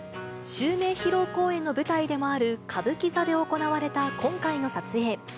襲名披露公演の舞台でもある、歌舞伎座で行われた今回の撮影。